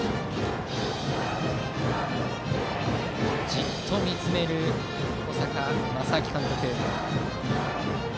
じっと見つめる、小坂将商監督。